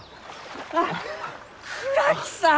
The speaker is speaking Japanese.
あ倉木さん！